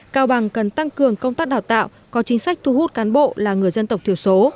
cao bằng cần tăng cường công tác đào tạo có chính sách thu hút cán bộ là người dân tộc thiểu số